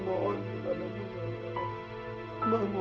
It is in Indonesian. uang sebanyak itu